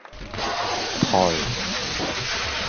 頹